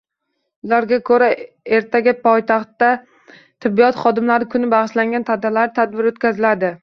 Ularga ko'ra, ertaga poytaxtda tibbiyot xodimlari kuniga bag'ishlangan tantanali tadbir o'tkaziladi